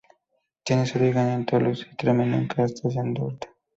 Tiene su origen en Toulouse y termina en Castets-en-Dorthe.